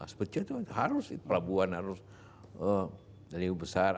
sebetulnya itu harus pelabuhan harus lebih besar